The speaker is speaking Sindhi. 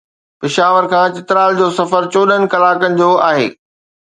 پشاور کان چترال جو سفر چوڏهن ڪلاڪن جو آهي.